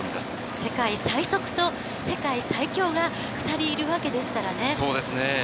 世界最速と世界最強が２人いそうですね。